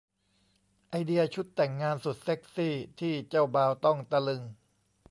ไอเดียชุดแต่งงานสุดเซ็กซี่ ที่เจ้าบ่าวต้องตะลึง